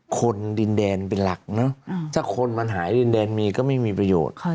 คนดินแดนเป็นหลักเนอะถ้าคนมันหายดินแดนมีก็ไม่มีประโยชน์